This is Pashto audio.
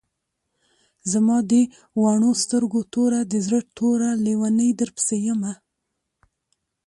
زما د دواڼو سترګو توره، د زړۀ ټوره لېونۍ درپسې يمه